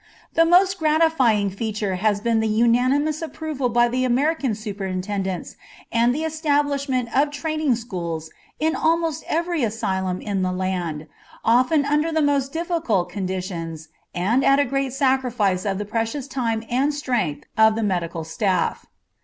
The most gratifying feature has been the unanimous approval by American superintendents and the establishment of training schools in almost every asylum in the land, often under the most difficult conditions and at a great sacrifice of the precious time and strength of the medical staff.